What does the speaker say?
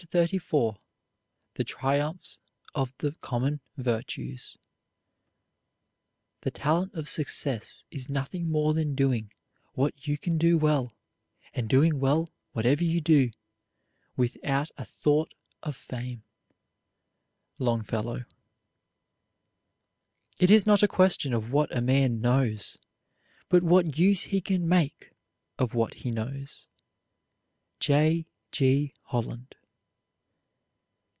CHAPTER XXXIV THE TRIUMPHS OF THE COMMON VIRTUES The talent of success is nothing more than doing what you can do well, and doing well whatever you do, without a thought of fame. LONGFELLOW. It is not a question of what a man knows but what use he can make of what he knows. J. G. HOLLAND.